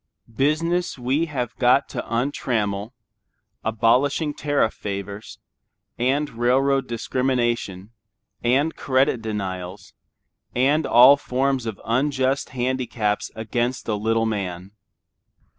Business we have got to untrammel, abolishing tariff favors, and railroad discrimination, and credit denials, and all forms of unjust handicaps against the little man.